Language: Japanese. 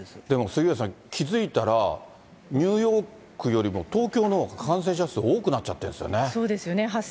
でも杉上さん、気付いたら、ニューヨークよりも東京のほうが感染者数が多くなっちゃってるんそうですよね。